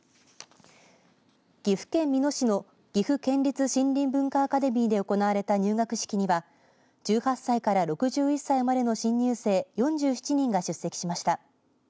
岐阜県美濃市の岐阜県立森林文化アカデミーで行われた入学式は１８歳から６１歳までの新入生４７人が出席しました。